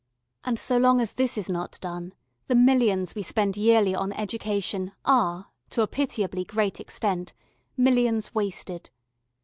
And so long as this is not done the millions we spend yearly on education are, to a pitiably great extent, millions wasted.